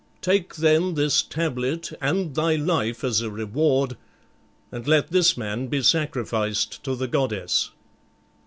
Take then this tablet and thy life as a reward, and let this man be sacrificed to the goddess."